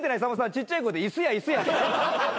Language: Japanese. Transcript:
ちっちゃい声で「椅子や椅子や」